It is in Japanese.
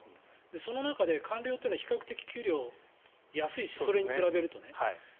その中で官僚というのは比較的給料が安いしそれに比べるとね。